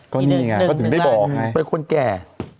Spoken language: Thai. ก็นี่ไงก็ถึงได้บอกเป็นคนแก่